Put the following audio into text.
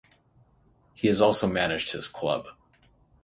He has also managed his club.